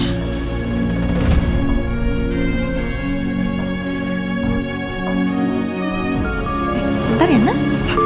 eh bentar ya nek